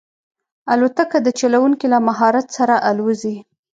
الوتکه د چلونکي له مهارت سره الوزي.